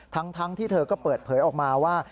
ทั้งที่เธอก็เปิดเผยออกมาว่า